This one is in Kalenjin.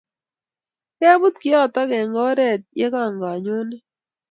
Kebut kiotok eng' oret ye kanganyoni.